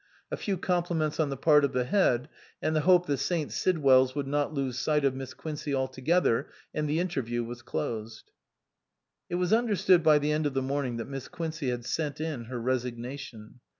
A few compliments on the part of the Head, and the hope that St. Sidwell's would not lose sight of Miss Quincey altogether, and the interview was closed. It was understood by the end of the morning that Miss Quincey had sent in her resignation.